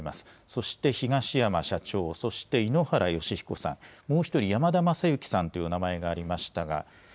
そして東山社長、そして、井ノ原快彦さん、もう１人、山田将之さんというお名前がありましたが。